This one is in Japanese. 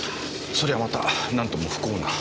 そりゃあまた何とも不幸な。